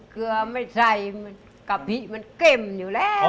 เกลือไม่ใส่กะทิมันเข้มอยู่แล้ว